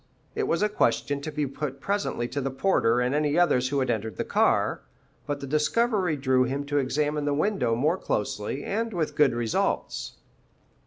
It was a question to be put presently to the porter and any others who had entered the car, but the discovery drew him to examine the window more closely, and with good results.